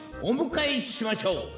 おむかえしましょう。